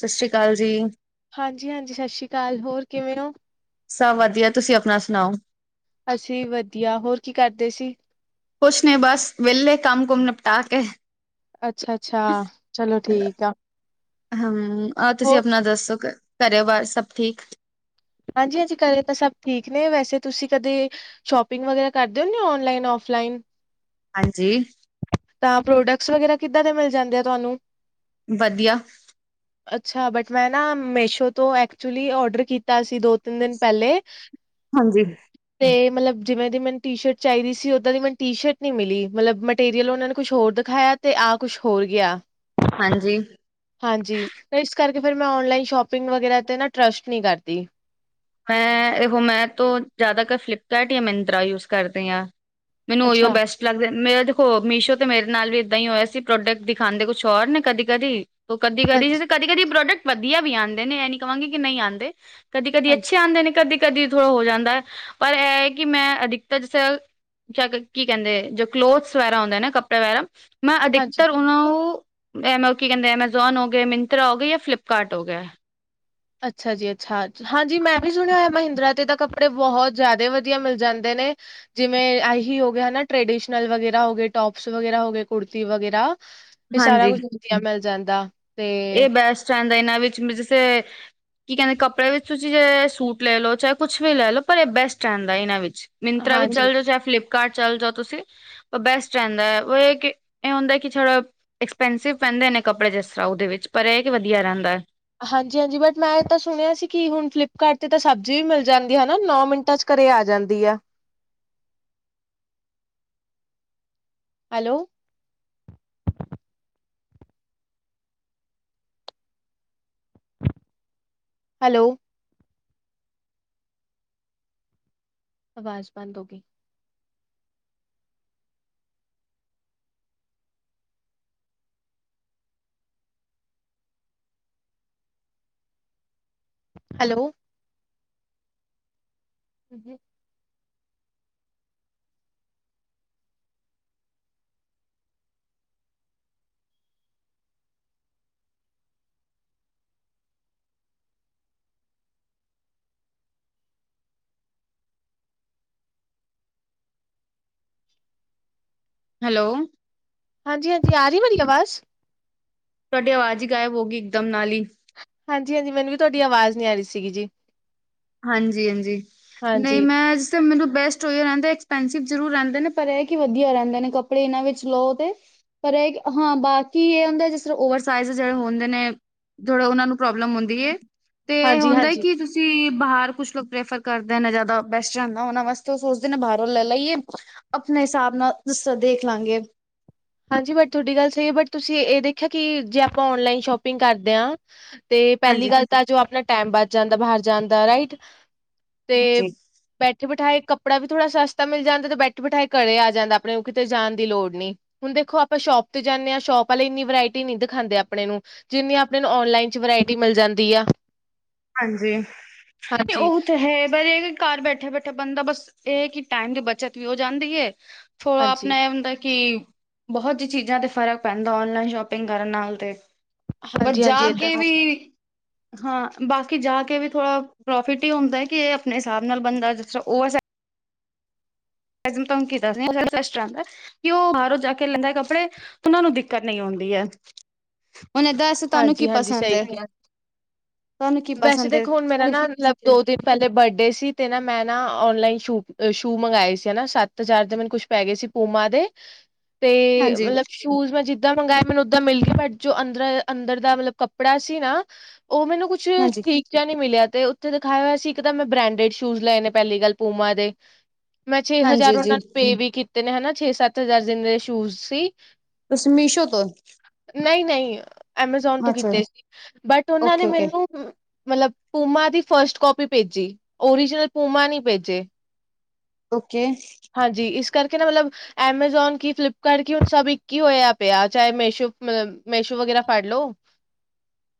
ਸਸ ਸ਼੍ਰੀ ਅਕਾਲ ਜੀ। ਹਾਂਜੀ, ਹਾਂਜੀ ਸਤਿ ਸ਼੍ਰੀ ਅਕਾਲ ਹੋਰ ਕਿਵੇਂ ਓ? ਸਭ ਵਧੀਆ ਤੁਸੀਂ ਆਪਣਾ ਸੁਣਾਓ। ਅਸੀਂ ਵਧੀਆ ਹੋਰ ਕੀ ਕਰਦੇ ਸੀ। ਕੁਛ ਨਹੀਂ ਬਸ ਵਿਹਲੇ ਕੰਮ ਕੁਮ ਨਿਪਟਾ ਕੇ। ਅੱਛਾ, ਅੱਛਾ ਆ ਚਲੋ ਠੀਕ ਆ। ਹਾਂ ਆਹ ਤੁਸੀਂ ਹੋਰ ਆਪਣਾ ਦੱਸੋ ਕਰੋ ਬਾਰ ਸਭ ਠੀਕ। ਹਾਂਜੀ, ਹਾਂਜੀ ਘਰੇ ਤਾਂ ਸਭ ਠੀਕ ਨੇ ਵੈਸੇ ਤੁਸੀਂ ਕਦੇ ਸ਼ੋਪਿੰਗ ਵਗੈਰਾ ਕਰਦੇ ਹੁਂਦੇ ਓ ਔਨਲਾਈਨ ਔਫਲਾਈਨ। ਹਾਂਜੀ। ਤਾਂ ਪ੍ਰੋਡਕਟਸ ਵਗੈਰਾ ਕਿੱਦਾਂ ਦੇ ਮਿਲ ਜਾਂਦੇ ਆ ਤੁਹਾਨੂੰ। ਵਧੀਆ। [inaudible] ਅੱਛਾ ਬਟ ਮੈਂ ਨਾ ਮੇਸ਼ੋ ਤੋਂ ਐਕਚੁਲੀ ਔਡਰ ਕੀਤਾ ਸੀ ਦੋ ਤਿੰਨ ਦਿਨ ਪਹਿਲੇ ਹ [inaudible] ਹਾਂਜੀ। ਤੇ ਮਤਲਬ ਜਿਵੇਂ ਦੀ ਮੈਨੂੰ ਟੀ ਸ਼ਰਟ ਚਾਹੀਦੀ ਸੀ, ਓਦਾਂ ਦੀ ਮੈਨੂੰ ਟੀ ਸ਼ਰਟ ਨੀ ਮਿਲੀ ਮਤਲਬ ਮਟੀਰੀਅਲ ਉਹਨਾਂ ਨੇ ਕੁਛ ਹੋਰ ਦਿਖਾਇਆ ਤੇ ਆਹ ਕੁਛ ਹੋਰ ਗਿਆ। ਹਾਂਜੀ। ਹਾਂਜੀ, ਤੇ ਇਸ ਕਰਕੇ ਫਿਰ ਮੈਂ ਓਨਲਾਈਨ ਸ਼ੋਪਿੰਗ ਵਗੈਰਾ ਤੇ ਨਾ ਟਰਾਸਟ ਨੀ ਕਰਦੀ। ਹੈ ਦੇਖੋ ਮੈਂ ਤੋਂ ਜ਼ਿਆਦਾਤਰ ਫਲਿੱਪਕਾਰਟ ਜਾਂ ਮਿੰਤਰਾ ਯੂਜ ਕਰਦੀ ਆ। ਮੈਨੂੰ ਉਹੀਓ ਅੱਛਾ। ਬੈਸਟ ਲੱਗਦੇ ਮੇਰਾ ਦੇਖੋ ਮੀਸ਼ੋ ਤੇ ਮੇਰੇ ਨਾਲ ਵੀ ਏਦਾਂ ਹੀ ਹੋਇਆ ਸੀ, ਪ੍ਰੋਡਕਟ ਦਿਖਾਉਂਦੇ ਕੁਛ ਹੋਰ ਨੇ ਕਦੀ ਕਦੀ ਤੋਂ ਕਦੀ, ਕਦੀ, ਹਾਂਜੀ, ਕਦੀ, ਕਦੀ ਪ੍ਰੋਡਕਟ ਵਧੀਆ ਵੀ ਆਦੇ ਨੇ ਇਹ ਨੀ ਕਹਾਂਗੇ ਕਿ ਨਹੀਂ ਆਦੇ ਕਦੀ ਕਦੀ। ਹਾਂਜੀ, ਪਿੱਛੇ ਆਉਂਦੇ ਨੇ ਕਦੀ ਕਦੀ ਥੋੜ੍ਹਾ ਹੋ ਜਾਂਦਾ ਐ ਪਰ ਇਹ ਕਿ ਮੈਂ ਅਧਿਕਤਾ ਜਿਸ ਚ ਕੀ ਕਹਿੰਦੇ ਜੋ ਕਲੋਥਸ ਵੈਰਾ ਹੁਂਦੇ ਨਾ ਕੱਪੜੇ ਵਗੈਰਾ ਮੈਂ ਹਾਂਜੀ। ਅਧਿਕਤਰ ਉਹਨਾਂ ਨੂੰ ਐ ਮ ਕੀ ਕਹਿੰਦੇ ਐਮਾਜ਼ੋਨ ਹੋ ਗਏ, ਮਿੰਤਰਾ ਹੋ ਗਏ ਜਾਂ ਫਲਿਪਕਾਰਟ ਹੋ ਗਏ। ਅੱਛਾ ਜੀ, ਅੱਛਾ ਹਾਂਜੀ, ਮੈਂ ਵੀ ਸੁਣਿਆ ਹੋਇਆ ਮਹਿੰਦਰਾ ਤੇ ਤਾਂ ਕੱਪੜੇ ਬਹੁਤ ਜ਼ਿਆਦਾ ਵਧੀਆ ਮਿਲ ਜਾਂਦੇ ਨੇ। ਜਿਵੇਂ ਐਹੀ ਹੋ ਗਿਆ ਨਾ ਟ੍ਰਡੀਸ਼ਨਲ ਵਗੈਰਾ ਹੋ ਗੇ ਟੋਪਸ ਵਗੈਰਾ ਹੋ ਗੇ ਕੁੜਤੀ ਵਗੈਰਾ, ਇਹ ਸਾਰਾ ਹਾਂਜੀ ਕੁਝ ਵਧੀਆ ਮਿਲ ਜਾਂਦਾ। ਤੇ ਇਹ ਬੈਸਟ ਆਂਦਾ ਇਹਨਾਂ ਵਿੱਚ [unintelligible] ਕੀ ਕਹਿੰਦੇ ਕੱਪੜੇ ਵਿੱਚ ਤੁਸੀਂ ਜੇ ਸੂਟ ਲੈ ਲਓ ਚਾਹੇ ਕੁਛ ਵੀ ਲੈ ਲਓ ਪਰ ਇਹ ਬੈਸਟ ਰਹਿੰਦਾ ਇਹਨਾਂ ਵਿੱਚ। ਮਿੰਤਰਾ ਵਿੱਚ ਹਾਂਜੀ। ਚੱਲ ਜਾਓ ਜਾਂ ਫਲਿੱਪਕਾਰਟ ਚੱਲ ਜਾਓ ਤੁਸੀਂ, ਉਹ ਬੈਸਟ ਰਹਿੰਦਾ ਏ ਉਹ ਇਹ ਕਿ ਇਹ ਹੁੰਦਾ ਕਿ ਛੜਾ, ਐਕਸਪੈਂਸਿਵ ਪੈਂਦੇ ਨੇ ਕੱਪੜੇ ਜਿਸ ਸਰਾਓ ਦੇ ਵਿੱਚ ਪਰ ਇਹ ਕਿ ਵਧੀਆ ਰਹਿੰਦਾ ਏ। ਹਾਂਜੀ-ਹਾਂਜੀ, ਬਟ ਮੈਂ ਇਹ ਤਾਂ ਸੁਣਿਆ ਸੀ ਕਿ ਹੁਣ ਫਲਿੱਪਕਾਰਟ ਤੇ ਤਾਂ ਸਬਜ਼ੀ ਵੀ ਮਿਲ ਜਾਂਦੀ ਏ ਹੈ ਨਾ ਨੌ ਮਿੰਟਾਂ ਚ। ਘਰੇ ਆ ਜਾਂਦੀ ਆ। ਹੈਲੋ। ਹੈਲੋ। ਆਵਾਜ਼ ਬੰਦ ਹੋ ਗਈ। ਹੈਲੋ। [inaudible] ਹੈਲੋ। ਹਾਂਜੀ-ਹਾਂਜੀ, ਆ ਰਹੀ ਮੇਰੀ ਆਵਾਜ਼? ਤੁਹਾਡੀ ਆਵਾਜ਼ ਹੀ ਗਾਇਬ ਹੋ ਗਈ ਇਕਦਮ ਨਾਲ ਹੀ। ਹਾਂਜੀ-ਹਾਂਜੀ, ਮੈਨੂੰ ਵੀ ਤੁਹਾਡੀ ਆਵਾਜ਼ ਨੀ ਆ ਰਹੀ ਸੀ ਗੀ ਜੀ। ਹਾਂਜੀ-ਹਾਂਜੀ, ਨਹੀਂ ਹਾਂਜੀ। ਮੈਂ ਤੇ ਮੈਨੂੰ ਬੈਸਟ ਓਈ ਰਹਿੰਦਾ ਐਕਸਪੈਸੀਬ ਜ਼ਰੂਰ ਰਹਿੰਦੇ ਨੇ ਪਰ ਇਹ ਕਿ ਵਧੀਆ ਰਹਿੰਦੇ ਨੇ ਕੱਪੜੇ ਇਹਨਾਂ ਵਿੱਚ ਲੋਟ ਪਰ ਇਹ ਹਾਂ ਬਾਕੀ ਇਹ ਹੁੰਦਾ ਜਿਸ ਤਰ੍ਹਾਂ ਓਵਰਸਾਈਜ਼ ਜਿਹੜੇ ਹੁੰਦੇ ਨੇ, ਜਿਹੜਾ ਉਹਨਾਂ ਨੂੰ ਪ੍ਰੋਬਲਮ ਹੁੰਦੀ ਏ, ਤੇ ਹੁੰਦਾ ਏ ਹਾਂਜੀ-ਹਾਂਜੀ। ਕਿ ਤੁਸੀਂ ਬਾਹਰ ਕੁਛ ਲੋਕ ਪ੍ਰੈਫਰ ਕਰਦੇ ਨੇ ਜ਼ਿਆਦਾ ਬੈਸਟ ਰਹਿੰਦਾ ਦਾ ਉਹਨਾਂ ਵਾਸਤੇ ਉਹ ਸੋਚਦੇ ਨੇ ਬਾਹਰੋਂ ਲੈ ਲਈਏ। ਆਪਣੇ ਹਿਸਾਬ ਨਾਲ ਜਿਸ ਤਰ੍ਹਾਂ ਦੇਖ ਲਾਂਗੇ। ਹਾਂਜੀ ਬਟ ਤੁਹਾਡੀ ਗੱਲ ਸਹੀ ਏ ਬਟ ਤੁਸੀਂ ਇਹ ਦੇਖਿਆ ਕਿ ਜੇ ਆਪਾਂ ਔਨਲਾਈਨ ਸ਼ੋਪਿੰਗ ਕਰਦੇ ਆ, ਤੇ ਪਹਿਲੀ ਹਾਂਜੀ-ਹਾਂਜੀ। ਗੱਲ ਤਾਂ ਜੋ ਆਪਣਾ ਟੈਮ ਬੱਚ ਜਾਂਦਾ ਬਾਹਰ ਜਾਣ ਦਾ ਰਾਈਟ, ਤੇ ਹਾਂਜੀ। ਬੈਠੇ ਬਿਠਾਏ ਕੱਪੜਾ ਵੀ ਥੋੜ੍ਹਾ ਸਸਤਾ ਮਿਲ ਜਾਂਦਾ ਤੇ ਬੈਠੇ ਬਿਠਾਏ ਘਰੇ ਆ ਜਾਂਦਾ ਆਪਣੇ ਨੂੰ ਕਿਤੇ ਜਾਣ ਦੀ ਲੋੜ ਨਹੀ। ਹੁਣ ਦੇਖੋ ਆਪਾਂ ਸ਼ੋਪ ਤੇ ਜਾਣੇ ਆ ਸ਼ੋਪ ਵਾਲੇ ਇੰਨੀ ਵਰਾਇਟੀ ਨਹੀਂ ਦਿਖਾਉਂਦੇ ਆਪਣੇ ਨੂੰ। ਜਿੰਨੀ ਆਪਣੇ ਨੂੰ ਔਨਲਾਈਨ ਚ ਵਰਾਇਟੀ ਮਿਲ ਜਾਂਦੀ ਆ। ਹਾਂਜੀ, ਨਹੀਂ ਉਹ ਹਾਂਜੀ-ਹਾਂਜੀ। ਤਾਂ ਹੈ ਪਰ ਘਰ ਬੈਠੇ-ਬੈਠੇ ਬੰਦਾ ਬਸ ਇਹ ਕਿ ਟਾਈਮ ਦੀ ਬੱਚਤ ਵੀ ਹੋ ਜਾਂਦੀ ਏ। ਥੋੜਾ ਆਪਣਾ ਇਹ ਹੁੰਦਾ ਕੀ, ਬਹੁਤ ਹੀ ਚੀਜ਼ਾਂ ਤੇ ਫ਼ਰਕ ਪੈਂਦਾ ਔਨਲਾਈਨ ਸ਼ੋਪਿੰਗ ਕਰਨ ਨਾਲ ਤੇ, ਪਰ ਜਾ ਹਾਂਜੀ-ਹਾਂਜੀ ਏਦਾਂ ਕੇ ਵੀ, ਹਾਂ। ਬਾਕੀ ਜਾ ਕੇ ਵੀ ਥੋੜਾ ਪ੍ਰੋਫਿਟ ਹੀ ਹੁੰਦਾ ਏ ਕਿ ਇਹ ਆਪਣੇ ਹਿਸਾਬ ਨਾਲ ਬੰਦਾ ਜਿਸ ਤਰ੍ਹਾਂ [unintelligible] ਕਿ ਉਹ ਬਾਹਰੋਂ ਜਾ ਕੇ ਲੈਂਦਾ ਏ ਕੱਪੜੇ ਉਹਨਾਂ ਨੂੰ ਦਿੱਕਤ ਨਈ ਆਉਂਦੀ ਏ ਉਹਨੇ ਦਸ ਹਾਂਜੀ-ਹਾਂਜੀ ਸਹੀ ਕਿਹਾ, ਤੁਹਾਨੂੰ ਕੀ ਵੈਸੇ ਪਸੰਦ ਹੈ ਦੇਖੋ ਹੁਣ ਮੇਰਾ ਤੁਸ- ਨਾ ਦੋ ਦਿਨ ਪਹਿਲੇ ਬਰਡੇ ਸੀ ਤੇ ਨਾ ਮੈਂ ਨਾ ਔਨਲਾਈਨ ਸ਼ੂ, ਅ ਸ਼ੂ ਮੰਗਵਾਏ ਸੀ, ਨਾ ਸੱਤ ਹਜਾਰ ਦੇ ਮੇਨੂੰ ਕੁੱਛ ਪੈ ਗਏ ਸੀ, ਪੂਮਾ ਦੇ। ਤੇ ਹਾਂਜੀ ਮਤਲਬ ਸ਼ੂਜ ਮੈਂ ਜਿੱਦਾਂ ਮੰਗਇਆ ਮੈਨੂੰ ਉਦਾਂ ਮਿਲ ਗਏ ਬਟ ਜੋ ਅੰਦਰ, ਅੰਦਰ ਦਾ ਮਤਲਬ ਕੱਪੜਾ ਸੀ ਨਾ ਉਹ ਮੈਨੂੰ ਕੁਛ ਹਾਂਜੀ ਠੀਕ, ਅੱਚਾ ਨੀ ਮਿਲਿਆ ਤੇ ਉੱਤੇ ਦਿਖਾਇਆ ਹੋਇਆ ਸੀ, ਇੱਕ ਤਾਂ ਮੈਂ ਬ੍ਰਾਂਡਡ ਸ਼ੂਜ ਲਏ ਨੇ ਪਹਿਲੀ ਗੱਲ ਪੂਮਾ ਦੇ। ਮੈਂ ਛੇ ਹਜ਼ਾਰ ਹਾਂਜੀ ਉਹਨਾ ਜੀ ਨੂੰ ਪੇ ਵੀ ਕੀਤੇ ਨੇ, ਹਨਾ ਛੇ ਸੱਤ ਹਜ਼ਾਰ ਜਿੰਨੇ ਦੇ ਸ਼ੂਜ ਸੀ। ਤੁਸੀਂ ਮੀਸ਼ੋ ਤੋਂ ਨਹੀਂ -ਨਹੀਂ। ਅਮਾਜ਼ੋਨ ਤੋਂ ਅੱਛਾ ਕੀਤੇ ਸੀ, ਬਟ ਉਹਨਾਂ ਨੇ ਓਕੇ ਓਕੇ ਮੈਨੂੰ। ਮ ਮਤਲਬ ਪੂਮਾ ਦੀ ਫਸਟ ਕੋਪੀ ਭੇਜੀ। ਓਰੀਜਨਲ ਪੂਮਾ ਨੀ ਭੇਜੇ। ਓਕੇ। ਹਾਂਜੀ, ਇਸ ਕਰਕੇ ਨਾ ਮਤਲਬ। ਐਮਾਜ਼ੋਨ ਕੀ, ਫਲਿਪਕਾਰਟ ਕੀ ਹੁਣ ਸਭ ਇੱਕ ਹੀ ਹੋਇਆ ਪਿਆ। ਚਾਹੇ ਮੇਸ਼ੋ, ਮੇਸ਼ੋ ਵਗੈਰਾ ਫੜ ਲਓ। [inaudible]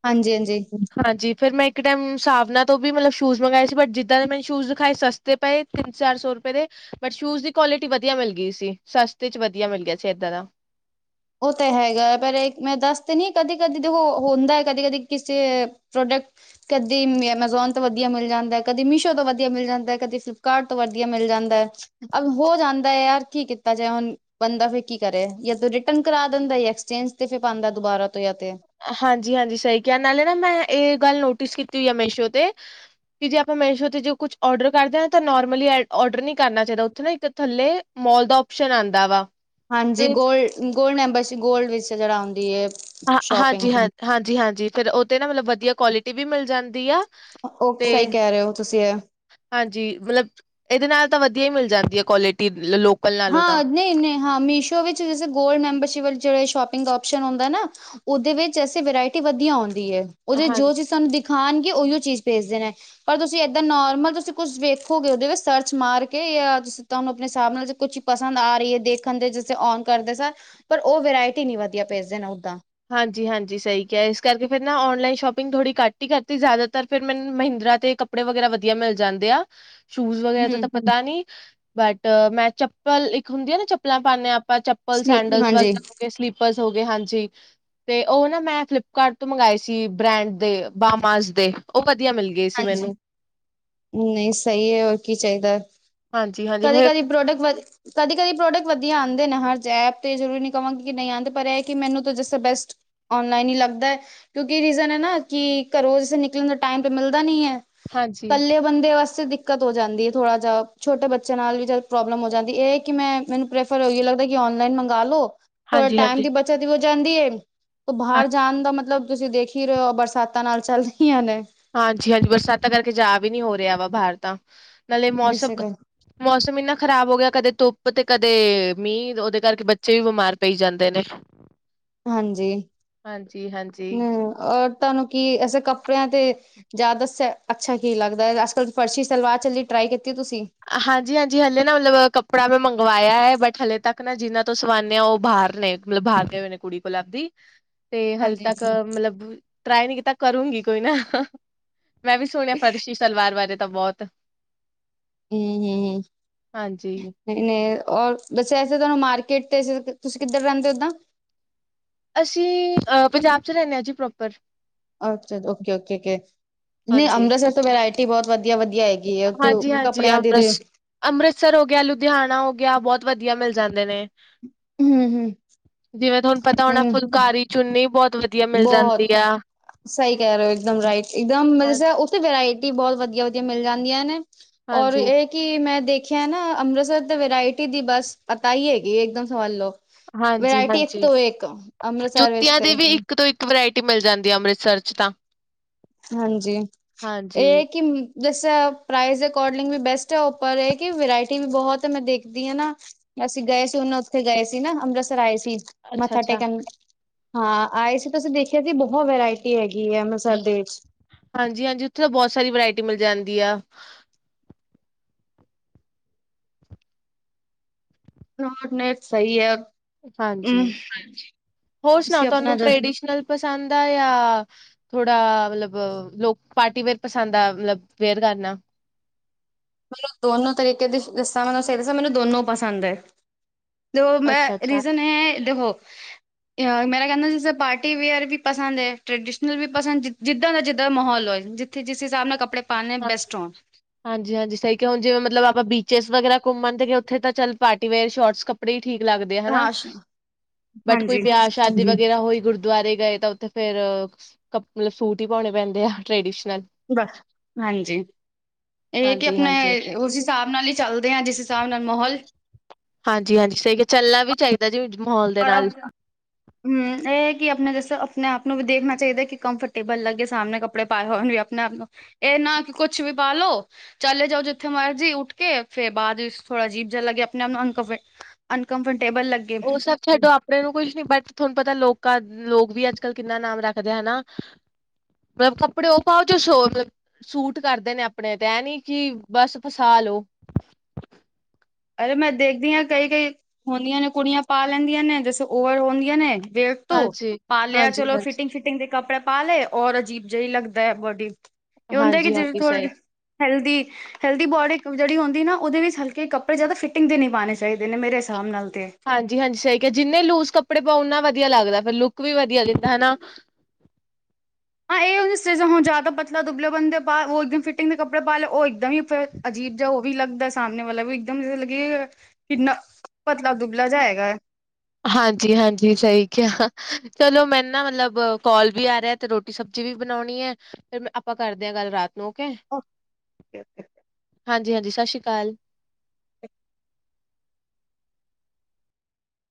ਹਾਂਜੀ -ਹਾਂਜੀ। ਹਾਂਜੀ ਫੇਰ ਮੈਂ ਇੱਕ ਟੈਮ ਸਾਵਨਾ ਤੋਂ ਵੀ ਮਤਲਬ ਸ਼ੂਜ ਮੰਗਵਾਏ ਸੀ ਬਟ ਜਿੱਦਾਂ ਦੇ ਮੈਨ ਸ਼ੂਜ ਦਿਖਾਏ ਸੱਸ ਤੇ ਪਏ, ਤਿੰਨ -ਚਾਰ ਸੌ ਰੁਪਏ ਦੇ। ਬਟ ਸ਼ੂਜ ਦੀ ਕੁਆਲਿਟੀ ਵਧੀਆ ਮਿਲ ਗਈ ਸੀ। ਸਸਤੇ 'ਚ ਵਧੀਆ ਮਿਲ ਗਿਆ ਸੀ, ਐਦਾਂ ਦਾ। ਉਹ ਤਾਂ ਹੈਗਾ, ਪਰ ਇਹ ਮੈਂ ਦੱਸਦੇ ਨੀ ਕਦੀ- ਕਦੀ ਉਹ ਹੁੰਦਾ ਕਦੀ -ਕਦੀ ਕਿਸੇ ਪ੍ਰੋਡਕਟ। ਕਦੀ ਐਮਾਜ਼ੋਨ ਤੋਂ ਵਧੀਆ ਮਿਲ ਜਾਂਦਾ, ਕਦੀ ਮੀਸ਼ੋ ਤੋਂ ਵਧੀਆ ਮਿਲ ਜਾਂਦਾ ਏ। ਕਦੀ ਫਲਿੱਪਕਾਰਟ ਤੋਂ ਵਧੀਆ ਮਿਲ ਜਾਂਦਾ ਐ ਅਬ ਹੋ ਜਾਂਦਾ ਹੈ ਯਾਰ, ਕੀ ਕੀਤਾ ਜਾਏ, ਹੁਣ ਬੰਦਾ ਫੇਰ ਕੀ ਕਰੇ, ਜਾਂ ਤੋ ਰਿਟ ਰਿਟਨ ਕਰਾ ਦਿੰਦੇ, ਐਕਸਚੇਂਜ ਤੇ ਫੇਰ ਪਾਉਂਦਾ ਦੁਬਾਰਾ ਤੋਂ ਜਾਂ ਤੇ ਹਾਂਜੀ -ਹਾਂਜੀ ਸਹੀ ਕਿਹਾ, ਨਾਲੇ ਨਾ ਮੈਂ ਇਹ ਗੱਲ ਨੋਟਿਸ ਕੀਤੀ ਹੋਈ ਆ ਮੀਸ਼ੋ ਤੇ। ਕਿ ਜੇ ਆਪਾਂ ਮੇਸ਼ੋ ਤੇ ਜੇ ਕੁਛ ਔਡਰ ਕਰਦੇ ਹਾਂ ਨਾ ਤਾਂ ਨੋਰਮਲੀਅ ਓਡਰ ਨੀ ਕਰਨਾ ਚਾਹੀਦਾ। ਉੱਥੇ ਨਾ ਇੱਕ ਥੱਲੇ ਮੋਲ ਦਾ ਉਪਸ਼ਨ ਆਂਦਾ ਵਾ। ਹਾਂਜੀ ਤੇ ਗੋਲ, ਗੋਲਡ ਮੈਂਬਰਸ਼ਿਪ ਗੋਲਡ ਵਿੱਚ ਜੇੜਾ ਹੁੰਦੀ ਏ। ਹਾਂ ਹਾਂਜੀ -ਹਾਂਜੀ, ਹਾਂਜੀ -ਹਾਂਜੀ ਫੇਰ ਉਹ ਤੇ ਨਾ ਮਤਲਬ ਵਧੀਆ ਕੁਆਲਿਟੀ ਵੀ ਮਿਲ ਜਾਂਦੀ ਆ ਉਹ ਤੇ ਸਹੀ ਕਹਿ ਰਹੇ ਹੋ ਤੁਸੀਂ ਐ। ਹਾਂਜੀ, ਮਤਲਬ ਇਹਦੇ ਨਾਲ ਤਾਂ ਵਧੀਆ ਹੀ ਮਿਲ ਜਾਂਦੀ ਐ, ਕੁਆਲਿਟੀ ਲੋ ਲੋ ਹਾਂ ਨਹੀਂ -ਨਹੀਂ ਹਾਂ ਮੀਸ਼ੋ ਵਿੱਚ ਜੈਸੇ ਗੋਲਡ ਮੈਂਬਰਸ਼ਿਪ ਜਿਹੜਾ ਸ਼ੋਪਿੰਗ ਦਾ ਆਪਸ਼ਨ ਹੁੰਦਾ ਨਾ ਉਹਦੇ ਵਿੱਚ ਐਸੇ ਵਰਾਇਟੀ ਵਧੀਆ ਹੁੰਦੀ ਏ, ਉਹਦੇ ਹਾਂ ਜੋ ਚੀਜ਼ ਸਾਨੂੰ ਦਿਖ। ਦਿਖਾਣਗੇ, ਉਹੀਓ ਚੀਜ਼ ਭੇਜਦੇ ਨੇ। ਪਰ ਤੁਸੀਂ ਐਦਾਂ ਨੋਰਮਲ ਤੁਸੀਂ ਕੁਛ ਵੇਖੋਗੇ, ਉਹਦੇ ਵਿੱਚ ਸਰਚ ਮਾਰ ਕੇ ਜਾਂ ਤੁਸੀਂ ਸਿੱਧਾ ਆਪਣੇ ਹਿਸਾਬ ਨਾਲ। ਕੁਛ ਪਸੰਦ ਆ ਰਹੀ ਹੈ ਦੇਖਣ ਦੇ ਜਿਸੇ ਓਨ ਕਰਦੇ ਸਾਰ, ਪਰ ਉਹ ਵਰਾਇਟੀ ਨਹੀਂ ਵਧੀਆ ਭੇਜਦੇ ਨੇ ਉੱਦਾਂ। ਹਾਂਜੀ- ਹਾਂਜੀ ਸਹੀ ਕਿਹਾ ਹੈ, ਇਸ ਕਰਕੇ ਫੇਰ ਨਾ ਔਨਲਾਈਨ ਸ਼ੋਪਿੰਗ ਥੋੜ੍ਹੀ ਘੱਟ ਹੀ ਕਰਤੀ, ਜ਼ਿਆਦਾਤਰ ਫਿਰ ਮੈਨੂੰ ਮਹਿੰਦਰਾ ਤੇ ਕੱਪ ਕੱਪੜੇ ਵਗੈਰਾ ਵਧੀਆ ਮਿਲ ਜਾਂਦੇ ਆ। ਸ਼ੂਜ ਵਗੈਰਾ ਦਾ ਹੂੰ ਤਾਂ ਪਤਾ ਨੀ। ਬਟ ਮੈਂ ਚੱਪਲ ਇੱਕ ਹੁੰਦੀ ਹੈ ਨਾ, ਚੱਪਲਾਂ ਪਾਨੇ ਹਾਂ ਆਪਾਂ ਚੱਪਲ ਚੱਪਲ, ਸੈਂਡਲਸ ਹਾਂਜੀ ਵਗੈਰਾ ਹੋਗੇ, ਸਲੀਪਰਸ ਹੋ ਗਏ ਹਾਂਜੀ। ਤੇ ਉਹ ਨਾ ਮੈਂ ਫਲਿੱਪਕਾਰਟ ਤੋਂ ਮੰਗਵਾਏ ਸੀ। ਬ੍ਰੈਂਡ ਦੇ, ਬਾਮਾਸ ਦੇ, ਉਹ ਵਧੀਆ ਮਿਲਗੇ। ਹਾਂਜੀ, ਨਹੀਂ ਸਹੀ ਐ, ਹੋਰ ਕੀ ਚਾਹੀਦਾ। ਹਾਂਜੀ ਹਾਂਜੀ ਕਦੀ- ਫਿਰ ਕਦੀ ਪ੍ਰੋਡਕਟ ਵਧ। ਕਦੀ- ਕਦੀ ਪ੍ਰੋਡਕਟ ਵਧੀਆ ਆਉਂਦੇ ਨੇ। ਹਰ ਐਪ ਤੇ ਜ਼ਰੂਰੀ ਨੀ ਕਹਾਂਗੇ ਕਿ ਨਹੀਂ ਆਉਂਦੇ। ਪਰ ਐਹ ਕਿ ਮੈਨੂੰ ਤਾਂ ਜਿਸ ਬੈਸਟ ਔਨਲਾਈਨ ਹੀ ਲੱਗਦਾ ਐ। ਕਿਉਂਕਿ ਰੀਜ਼ਨ ਹੈ ਨਾ ਕਿ ਘਰੋਂ ਜੈਸੇ ਨਿਕਲਣ ਦਾ ਟੈਮ। ਤੇ ਮਿਲਦਾ ਨੀ ਹੈ, ਹਾਂਜੀ ਇਕੱਲੇ ਬੰਦੇ ਵਾਸਤੇ ਦਿਕ ਦਿੱਕਤ ਹੋ ਜਾਂਦੀ ਹੈ ਥੋੜਾ ਜਿਹਾ, ਛੋਟੇ ਬੱਚਿਆਂ ਨਾਲ ਵੀ ਜਦ ਪ੍ਰੋਬਲਮ ਹੋ ਜਾਂਦੀ। ਇਹ ਕਿ ਮੈਂ, ਮੈਨੂੰ ਪਰੈਫਰ। ਫਿਰ ਇਹੀਓ ਲੱਗਦਾ ਕਿ ਔਨਲਾਈਨ ਮੰਗਵਾ ਲੋ। ਫੇਰ ਹਾਂਜੀ ਟਾਈਮ ਹਾਂਜੀ ਦੀ ਬੱਚਤ ਵੀ ਹੋ ਜਾਂਦੀ ਏ, ਤੇ ਹਾਂ- ਬਾਹਰ ਜਾਣ ਦਾ ਮਤਲਬ। ਤੁਸੀਂ ਦੇਖ ਹੀ ਰਹੇ ਹੋ, ਬਰਸਾਤਾਂ ਨਾਲ ਚੱਲ ਰਹੀਆਂ ਨੇ। ਹਾਂਜੀ -ਹਾਂਜੀ ਬਰਸਾਤਾਂ ਕਰਕੇ ਜਾ ਵੀ ਨਹੀ ਹੋ ਰਿਹਾ ਵਾ ਬਾਹਰ ਤਾਂ, ਨਾਲੇ ਮੌਸਮ ਇਸੇ ਕਰ ਮੌਸਮ ਐਨਾ ਖ਼ਰਾਬ ਹੋ ਗਿਆ ਕਦੇ ਧੁੱਪ ਤੇ ਕਦੇ ਮੀਂਹ, ਉਹਦੇ ਕਰਕੇ ਬੱਚੇ ਵੀ ਬਿਮਾਰ ਪਈ ਜਾਂਦੇ ਨੇ [inaudible] ਹਾਂਜੀ ਹਾਂਜੀ ਹਾਂਜੀ ਹਮ ਔਰ ਤੁਆਨੂੰ ਕੀ ਅਸੀ ਕੱਪੜਿਆਂ ਤੇ ਜ਼ਿਆਦਾ ਸ ਅੱਛਾ ਕੀ ਲੱਗਦਾ ਅੱਜ-ਕੱਲ ਫਰਸ਼ੀ ਸਲਵਾਰ ਚੱਲੀ ਟਰਾਈ ਕੀਤੀ ਤੁਸੀਂ? ਹਾਂਜੀ-ਹਾਂਜੀ ਹਲੇ ਨਾ ਮਤਲਬ ਕੱਪੜਾ ਮੈਂ ਮੰਗਵਾਇਆ ਐ ਬਟ ਹਲੇ ਤੱਕ ਨਾ ਜਿੰਨਾ ਤੋਂ ਸਵਾਦੇ ਆ ਉਹ ਬਾਹਰ ਨੇ ਮਤਲਬ ਬਾਹਰ ਗਏ ਹੋਏ ਨੇ ਕੁੜੀ ਕੋਲ ਆਪਦੀ ਤੇ ਹਾਲੇ ਹਾਂਜੀ ਤੱਕ ਮਤਲਬ, ਟਰਾਈ ਨੀ ਕੀਤਾ ਕਰੂੰਗੀ ਕੋਈ ਨਾ। ਮੈਂ ਵੀ ਸੁਣਿਆ ਫਰਸ਼ੀ ਸਲਵਾਰ ਬਾਰੇ ਤਾਂ ਬੋਤ ਹੂੰ ਹੂੰ। ਹਾਂਜੀ ਹੂੰ ਔਰ ਦੱਸਿਆ ਸੀਗਾ ਮਾਰਕੀਟ ਤੇ ਤੁਸੀਂ ਕਿੱਧਰ ਰਹਿੰਦੇ ਹੋ ਓਦਾਂ? ਅਸੀਂ ਪੰਜਾਬ 'ਚ ਰਹਿਣੇ ਆ ਜੀ ਪ੍ਰੋਪਰ ਅੱਛਾ, ਓਕੇ-ਓਕੇ ਕੇ, ਨੀ ਹਾਂਜੀ। ਅੰਮ੍ਰਿਤਸਰ ਤਾ ਵੈਰਾਇਟੀ ਬੋਤ ਵਧੀਆ-ਵਧੀਆ ਹ ਹੈਗੀਆ ਇੱਥੇ ਹਾਂਜੀ-ਹਾਂਜੀ ਕੱਪੜਿਆਂ ਦੀ ਤੇ ਅੰਮ੍ਰਿਤਸ ਅੰਮ੍ਰਿਤਸਰ ਹੋ ਗਿਆ ਲੁਧਿਆਣਾ ਹੋ ਗਿਆ ਬੋਤ ਵਧੀਆ ਮਿਲ ਜਾਂਦੇ ਨੇ। ਹੂੰ ਹੂੰ। ਜਿਵੇਂ ਤੁਹਾਨੂੰ ਪਤਾ ਹੋਣਾ ਫੁਲਕਾਰੀ ਚੁੰਨੀ ਬੋਤ ਵਧ ਬੋਤ ਸਹੀ ਕਹਿ ਰਹੇ ਹੋ ਇੱਕਦਮ ਹਾਂ ਰਾਈਟ ਇਕ ਦਮ ਜੈਸੇ ਤੇ ਵਰਾਇਟੀ ਬਹੁਤ ਵਧੀਆ-ਵਧੀਆ ਮਿਲ ਜਾਂਦੀਆਂ ਨੇ, ਔਰ ਇਹ ਕੀ ਮੈਂ ਦੇਖਿਆ ਨਾ ਅੰਮ੍ਰਿਤਸਰ ਤੇ ਵਰਾਇਟੀ ਦੀ ਬਸ ਪਤਾ ਈ ਹੈਗੀ ਐ ਇੱਕਦਮ ਸੋਲਡ ਵਰਾਇਟੀ ਇੱਕ ਹਾਂਜੀ-ਹਾਂਜੀ-ਹਾਂਜੀ ਤੋਂ ਇੱਕ ਅੰਮ੍ਰਿਤਸਰ ਵਿੱਚ ਜੁੱਤੀਆਂ ਤੇ ਦੀ ਵੀ ਇੱਕ ਤੋ ਇੱਕ ਵਰਾਇਟੀ ਮਿਲ ਜਾਂਦੀ ਐ। ਅੰਮ੍ਰਿਤਸਰ ਚ ਤਾਂ ਹਾਂਜੀ ਹਾਂਜੀ, ਇਹ ਕੀ ਜੈਸੇ ਪ੍ਰਾਈਜ਼ ਦੇ ਅਕੋਰਡਿੰਗ ਬੀ ਬੈਸਟ ਐ ਔਰ ਉਪਰ ਇਹ ਕਿ ਵਰਾਇਟੀ ਵੀ ਬਹੁਤ ਮੈਂ ਦੇਖਦੀ ਨਾ ਅਸੀਂ ਗਏ ਸੀ ਹੁਣ ਉੱਥੇ ਗਏ ਸੀ ਨਾ ਅੰਮ੍ਰਿਤਸਰ ਆਏ ਸੀ। ਮੱਥਾ ਅੱਛਾ-ਅੱਛਾ, ਟੇਕਣ, ਹਾਂ ਆਏ ਸੀ ਤੁਸੀਂ ਦੇਖਿਆ ਸੀ ਬਹੁਤ ਵਰਾਇਟੀ ਹੈਗੀ ਏ ਅੰਮ੍ਰਿਤਸਰ ਦੇ ਵਿੱਚ ਹਾਂਜੀ ਹਾਂਜੀ ਉੱਥੇ ਤਾਂ ਬਹੁਤ ਸਾਰੀ ਵਰਾਇਟੀ ਮਿਲ ਜਾਂਦੀ ਆ। ਨੋਨਟਸ ਸਹੀ ਐ। ਹਾਂਜੀ, ਹੋਰ ਸੁਣਾਓ ਤੁਸੀਂ ਤੁਹਾਨੂੰ ਆਪਣਾ ਟ੍ਰਡੀਸ਼ਨਲ ਪਸੰਦ ਆ ਯਾ ਥੋੜਾ ਮਤਲਬ ਲੋਕ ਪਾਰਟੀ ਵੇਅਰ ਪਸੰਦ ਆ ਮਤਲਬ ਵੇਅਰ ਕਰਨਾ ਮੈਨੂੰ ਦੋਨੋ ਤਰੀਕੇ ਦੀ ਦੱਸਾਂ ਨਾ, ਮੈਨੂੰ ਸਹੀ ਦੱਸਾਂ ਮੈਨੂੰ ਦੋਨੋ ਪਸੰਦ ਐ। ਜੋ ਮੈ ਅੱਛਾ-ਅੱਛਾ, ਰੀਜ਼ਨ ਇਹ ਐ ਦੇਖੋ ਮੇਰਾ ਕਹਿੰਦਾ ਜਿਸ ਪਾਰਟੀ ਵੇਅਰ ਵੀ ਪਸੰਦ ਏ, ਟ੍ਰਡੀਸ਼ਨਲ ਵੀ ਪਸੰਦ ਜਿੱਦਾਂ ਦਾ ਜਿੱਦਾਂ ਦਾ ਮਾਹੌਲ ਹੋਏ ਜ ਤੇ ਜਿਸ ਹਿਸਾਬ ਨਾਲ ਕੱਪੜੇ ਪਾਣੇ ਆ ਬੈਸਟ ਹੋਣ। ਹਾਂਜੀ ਹਾਂਜੀ ਸਹੀ ਕਿਹਾ ਹੁਣ ਜਿਵੇਂ ਮਤਲਬ ਆਪਾਂ ਬੀਚਿਸ ਵਗੈਰਾ ਘੁੰਮਣ ਤੇਗੇ ਉੱਥੇ ਤਾਂ ਚੱਲ ਪਾਰਟੀ ਵੇਅਰ ਸ਼ੋਰਟਸ ਕੱ ਕੱਪੜੇ ਹੀ ਠੀਕ ਲੱਗਦੇ ਆ ਹਨਾ। ਹਾਂ ਸ਼- ਬਟ ਕੋਈ ਹਾਂਜੀ ਵਿਆਹ ਸ਼ਾਦੀ ਵਗੈਰਾ ਹੋਈ ਗੁਰ ਗੁਰਦੁਆਰੇ ਗਏ ਤਾਂ ਉੱਥੇ ਫਿਰ ਕਪ ਮਤਲਬ ਸੂਟ ਹੀ ਪਾਉਣੇ ਪੈਂਦੇ ਆ ਟ੍ਰੈਡੀਸ਼ਨਲ। ਬਸ ਹਾਂਜੀ। ਇਹ ਕਿ ਹਾਂਜੀ-ਹਾਂਜੀ। ਆਪਣੇ ਉਸ ਹਿਸਾਬ ਨਾਲ ਈ ਚੱਲਦੇ ਹਾਂ ਜਿਸ ਹਿਸਾਬ ਨਾਲ ਮਾਹੌਲ ਹਾਂਜੀ ਹਾਂਜੀ ਸਹੀ ਕਿਹਾ ਚੱਲਣਾ ਵੀ ਚਾਈਦਾ ਜੀ ਮਾਹੌਲ ਦੇ ਔਰ ਨਾਲ ਅਪ- ਹਮ ਇਹ ਕਿ ਆਪਣੇ ਜੱਸੋ ਆਪਣੇ ਆਪ ਨੂੰ ਵੀ ਦੇਖਣਾ ਚਾਈਦਾ ਕਿ ਕੰਫਰਟੇਬਲ ਲੱਗੇ ਸਾਹਮਣੇ ਕੱਪੜੇ ਪਾਏ ਹੋਏ ਹੁਣ ਵੀ ਆਪਣੇ ਆਪ ਨੂੰ ਇਹ ਨਾ ਕਿ ਕੁਛ ਵੀ ਪਾਲੋ ਚਲੇ ਜਾਓ ਜਿੱਥੇ ਮਰਜ਼ੀ ਉੱਠ ਕੇ ਫਿਰ ਬਾਅਦ ਥੋੜ੍ਹਾ ਅਜੀਬ ਜਿਹਾ ਲੱਗੇ ਆਪਣੇ ਆਪ ਨੂੰ ਅੰਨ ਕੰਫਿਰ ਅਨਕੰਫਰਟੇਬਲ ਲੱਗ ਉਹ ਸਭ ਛੱਡੋ ਆਪਣੇ ਨੂੰ ਕੁਛ ਨੀ ਬਟ ਤੁਹਾਨੂੰ ਪਤਾ ਲੋਕਾਂ ਲੋਕ ਵੀ ਅੱਜ-ਕੱਲ ਕਿੰਨਾ ਨਾਮ ਰੱਖਦੇ ਹਨਾ। ਪਰ ਕੱਪੜੇ ਉਹ ਪਾਉ ਜਿਹੜੇ ਸੋਬੇ ਸੂਟ ਕਰਦੇ ਨੇ ਆਪਨੇ ਤੇ ਐ ਨੀ ਕੀ ਬਸ ਫਸਾ ਲੋ। ਅਰੇ ਮੈਂ ਦੇਖਦੀ ਆਂ ਕਈ-ਕਈ ਹੁੰਦੀਆਂ ਨੇ ਕੁੜੀਆਂ ਪਾ ਲੈਂਦੀਆਂ ਨੇ ਜੈਸੇ ਓਵਰ ਹੁੰਦੀਆਂ ਨੇ। ਵੇਖ ਤੋ ਹਾਂਜੀ, ਪਾ ਲੇਆ ਚਲੋ ਹਾਂਜੀ-ਹਾਂਜੀ। ਫਿਟਿੰਗ-ਫਿਟਿੰਗ ਦੇ ਕੱਪੜੇ ਪਾ ਲਏ ਔਰ ਅਜੀਬ ਜਈ ਲੱਗਦਾ ਬੋਡੀ, ਏ ਹੁੰਦਾ ਕੇ ਜੇੜੇ ਹਾਂਜੀ-ਹਾਂਜੀ ਥੋ ਸਹੀ ਹੈਲਦੀ-ਹੈਲਦੀ ਬੋਡੀ ਜੇੜੀ ਹੁੰਦੀ ਨਾ ਓਦੇ ਵਿੱਚ ਹਲਕੇ ਕੱਪ ਪਰ ਜਾਦਾ ਫਿਟਿੰਗ ਦੇ ਨਈਂ ਪਾਨੇ ਚਾਈਦੇ ਨੇ ਮੇਰੇ ਹਿਸਾਬ ਨਾਲ ਤੇ। ਹਾਂਜੀ-ਹਾਂਜੀ ਸਈ ਕਿਆ ਜਿੰਨੇ ਲੂਜ ਕੱਪੜੇ ਪਾਓ ਓਨਾ ਵਦੀਆ ਲੱਗਦਾ ਫਿਰ ਲੁੱਕ ਵੀ ਵਦੀਆ ਦਿੰਦਾ ਹਨਾ। ਹਾਂ ਏ ਚੀਜ਼ ਹੁਨ ਜਾਦਾ ਪਤਲਾ ਦੁਬਲੇ ਬੰਦੇ ਪਾ ਓ ਇਕਦਮ ਫਿਟਿੰਗ ਦੇ ਕੱਪੜੇ ਪਾ ਲਏ ਓ ਇੱਕਦਮ ਈ ਫਿਰ ਅਜੀਬ ਜਾ ਓ ਵੀ ਲੱਗਦਾ ਸਾਮਨੇ ਵਾਲਾ ਵੀ ਇਕਦਮ ਜੇ ਲੱਗੇ ਕਿੰਨਾ ਪਤਲਾ ਦੁੱਬਲਾ ਜਾ ਹੈਗਾ। ਹਾਂਜੀ-ਹਾਂਜੀ ਸਈ ਕਿਆ ਚਲੋ ਮੈਨੂੰ ਨਾ ਮਤਲਬ ਕੌਲ ਵੀ ਆ ਰਿਆ ਤੇ ਰੋਟੀ ਸਬਜ਼ੀ ਵੀ ਬਨੌਨੀ ਐ, ਫਿਰ ਆਪਾਂ ਕਰਦੇ ਆਂ ਗੱਲ ਰਾਤ ਲੋ ਕੈ, ਓਕੇ ਹਾਂਜੀ-ਹਾਂਜੀ ਸਾਸੀ ਕਾਲ।